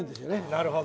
なるほど。